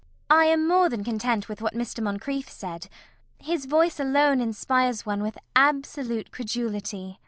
I am more than content with what Mr. Moncrieff said. His voice alone inspires one with absolute credulity.